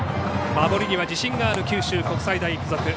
守りには自信がある九州国際大付属。